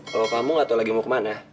kalau kamu gak tau lagi mau kemana